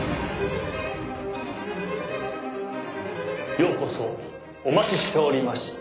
ようこそお待ちしておりました。